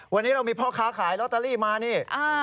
วันนี้เรามีพ่อค้าขายลอตเตอรี่มานี่